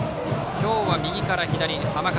今日は右から左の浜風。